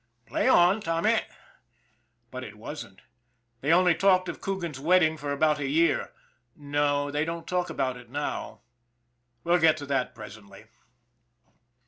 " Play on, Tommy." But it wasn't. They only talked of Coogan's wed ding for about a year no, they don't talk about it now. We'll get to that presently.